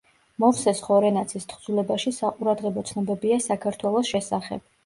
მოვსეს ხორენაცის თხზულებაში საყურადღებო ცნობებია საქართველოს შესახებ.